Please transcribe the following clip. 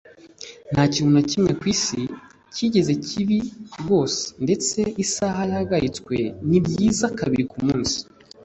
nta kintu na kimwe ku isi cyigeze kibi rwose ndetse isaha yahagaritswe ni byiza kabiri ku munsi